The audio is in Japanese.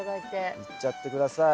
いっちゃって下さい。